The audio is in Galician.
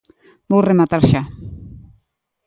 Vou rematar xa.